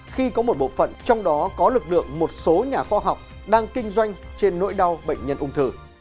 khi có một bộ phận trong đó có lực lượng một số nhà khoa học đang kinh doanh trên nỗi đau bệnh nhân ung thư